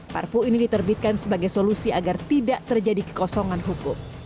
perpu ini diterbitkan sebagai solusi agar tidak terjadi kekosongan hukum